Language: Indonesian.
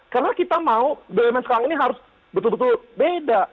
karena kita mau bumn sekarang ini harus betul betul beda